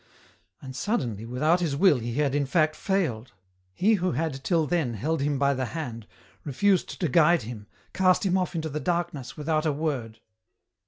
And suddenly, without his wUl, he had in fact failed. He who had till then held him by the hand, refused to guide him, cast him off into the darkness without a word.